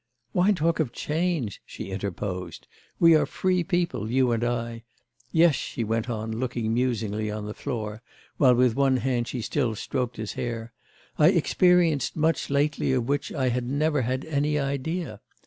'Why talk of chains?' she interposed. 'We are free people, you and I. Yes,' she went on, looking musingly on the floor, while with one hand she still stroked his hair, 'I experienced much lately of which I had never had any idea!